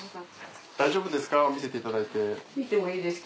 大丈夫ですか見せていただいて？